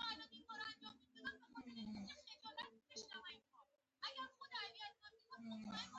کارغه د زرکې مزل کاوه خپل یې هېر شو د تقلید زیانونه ښيي